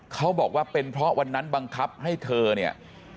เขาบอกว่าเป็นเพราะวันนั้นบังคับให้เธอเนี่ย